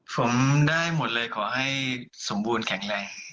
ผมได้หมดเลยขอให้สมบูรณ์แข็งแรง